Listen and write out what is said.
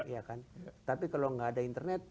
iya kan tapi kalau gak ada internet